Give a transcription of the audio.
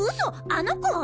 あの子！？